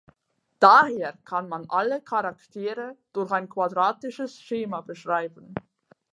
Daher kann man alle Charaktere durch ein quadratisches Schema beschreiben.